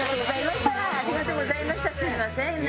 すいませんね